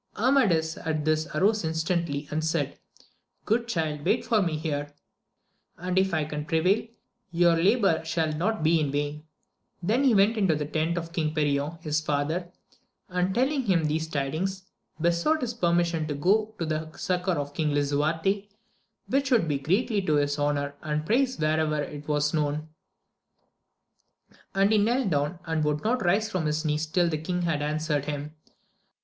Amadis at this arose instantly, and said, Good child, wait for me here, and if I can prevail your labour shall not be in vain : then he went to the tent of King Perion his father, and telling him these tidings, besought his permission to go to the succour of King Lisuarte, which would be greatly to his honour and praise wherever it was known ; and he knelt down, and would not rise from his knees tUl the king had answered him.